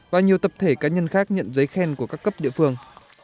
và nhiều tập thể cá nhân khác nhận giấy khen của các cấp địa phương